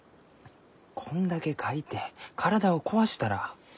こんだけ描いて体を壊したら。